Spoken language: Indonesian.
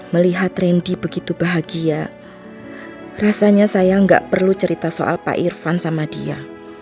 melihat randy begitu bahagia rasanya saya nggak perlu cerita soal pak irfan sama dia